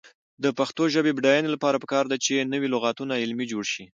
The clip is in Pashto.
د پښتو ژبې د بډاینې لپاره پکار ده چې نوي لغتونه علمي جوړ شي.